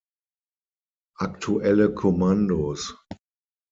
Aktuelle Kommandos